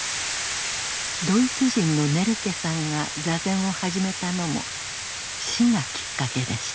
ドイツ人のネルケさんが坐禅を始めたのも死がきっかけでした。